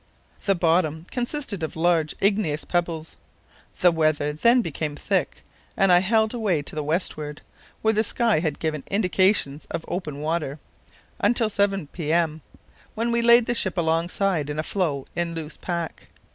The bottom consisted of large igneous pebbles. The weather then became thick, and I held away to the westward, where the sky had given indications of open water, until 7 p.m., when we laid the ship alongside a floe in loose pack.